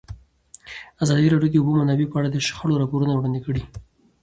ازادي راډیو د د اوبو منابع په اړه د شخړو راپورونه وړاندې کړي.